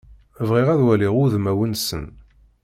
Bɣiɣ ad waliɣ udmawen-nsen.